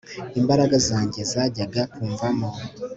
imbaraga zanjye zajyaga kumvamo